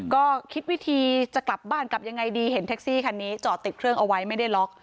ก็คิดวิธีจะกลับบ้านกลับยังไงดีเห็นแท็กซี่คันนี้จอดติดเครื่องเอาไว้ไม่ได้ล็อก